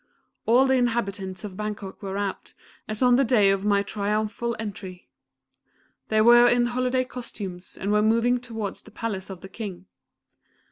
All the inhabitants of Bangok were out, as on the day of my triumphal entry. They were in holiday costume, and were moving towards the palace of the King.